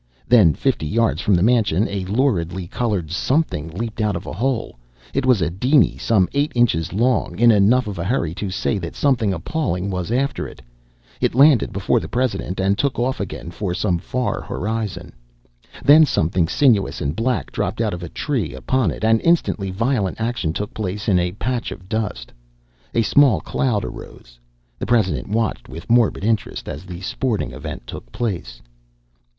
Then, fifty yards from the mansion, a luridly colored something leaped out of a hole. It was a diny some eight inches long, in enough of a hurry to say that something appalling was after it. It landed before the president and took off again for some far horizon. Then something sinuous and black dropped out of a tree upon it and instantly violent action took place in a patch of dust. A small cloud arose. The president watched, with morbid interest, as the sporting event took place.